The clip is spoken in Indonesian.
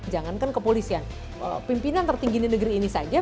jangankan kepolisian pimpinan tertinggi di negeri ini saja